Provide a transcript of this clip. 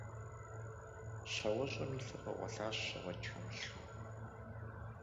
Щауэщӏэм и лъыр къэкъуэлъащ афӏэкӏ хэмылъу.